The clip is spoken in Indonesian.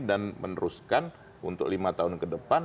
dan meneruskan untuk lima tahun ke depan